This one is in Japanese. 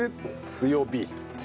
強火。